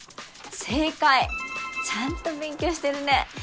正解ちゃんと勉強してるね